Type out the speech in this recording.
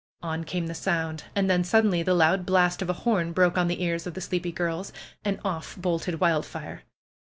On came the sound. And then suddenly the loud blast of a horn broke on the ears of the sleepy girls. And off bolted Wildfire.